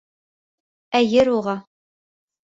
Ә ер уға: